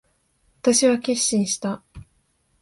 私は決心した。